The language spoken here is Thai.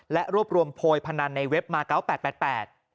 และรวบรวมโพยพนันในเว็บมาเก้า๘๘๘